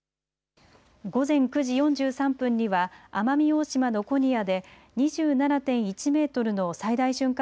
午前９時４３分には奄美大島の古仁屋で２７．１メートルの最大瞬間